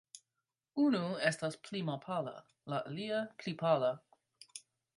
Unu estas pli malpala; la alia, pli pala.